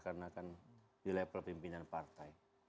karena kan di level pimpinan partai